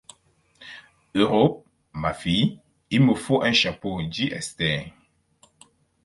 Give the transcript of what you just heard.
Europe, ma fille, il me faut un chapeau, dit Esther.